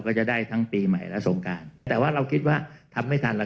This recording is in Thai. ก็จะได้ทั้งปีใหม่และสงการแต่ว่าเราคิดว่าทำไม่ทันแล้ว